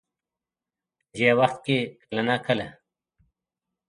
په دې وخت کې کله نا کله